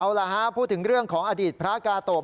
เอาล่ะฮะพูดถึงเรื่องของอดีตพระกาโตะ